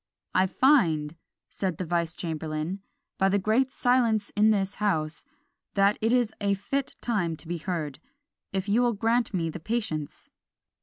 "I find," said the vice chamberlain, "by the great silence in this house, that it is a fit time to be heard, if you will grant me the patience."